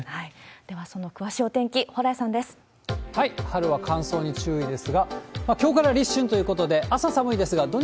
では、その詳しいお天気、蓬莱さんです。